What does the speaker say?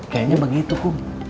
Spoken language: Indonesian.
kayaknya begitu kum